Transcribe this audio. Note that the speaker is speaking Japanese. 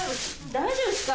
大丈夫ですか？